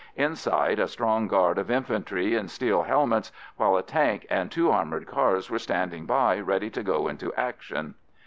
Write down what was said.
Inside, a strong guard of infantry in steel helmets, while a tank and two armoured cars were standing by ready to go into action.